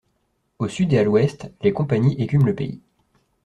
Au sud et à l’ouest, les compagnies écument le pays.